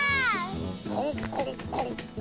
コンコンコン。